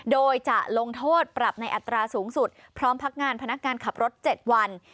โดยจะลงโทษปรับในอัตราสูงสุดพร้อมพักงานพนักงานขับรถ๗วัน